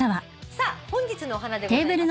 さあ本日のお花でございます。